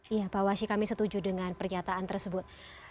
iya pak washi kami setuju dengan pernyataan tersebut